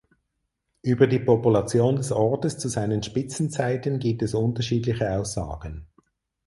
Über die Population des Ortes zu seinen Spitzenzeiten gibt es unterschiedliche Aussagen.